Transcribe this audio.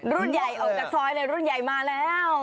รุ่นใหญ่ออกจากซอยเลยรุ่นใหญ่มาแล้ว